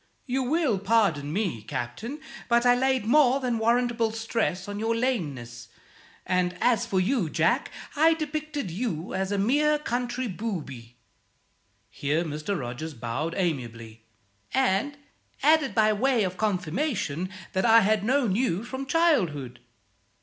You will pardon me, Captain, but I laid more than warrantable stress on your lameness; and us for you, Jack, I depicted you as a mere country booby" here Mr. Rogers bowed amiably "and added by way of confirmation that I had known you from childhood.